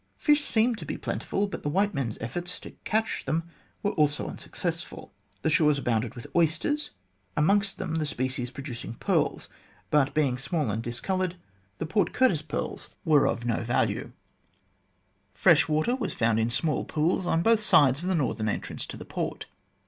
Fish seemed to be plentiful, but the white men's efforts to catch them were also unsuccessful. The shores abounded with oysters, amongst them the species producing pearls, but being small and discoloured, the Port Curtis pearls were of * See Note, p. 3. THE GENESIS OF THE GLADSTONE COLONY 11 no value. Fresh water was found in small pools on both sides of the northern entrance to the port.